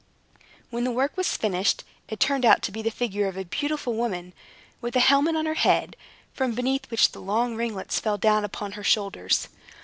When the work was finished, it turned out to be the figure of a beautiful woman, with a helmet on her head, from beneath which the long ringlets fell down upon her shoulders.